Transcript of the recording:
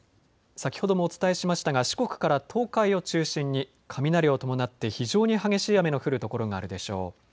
先ほどもお伝えしましたが四国から東海を中心に雷を伴って非常に激しい雨の降る所があるでしょう。